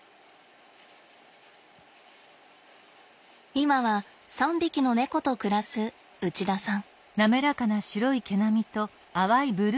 今は３匹の猫と暮らす内田さん。